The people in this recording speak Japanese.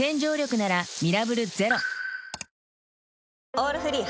「オールフリー」